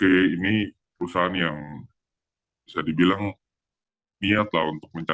jadi ya oke ini perusahaan yang bisa dibilang niat lah untuk menolak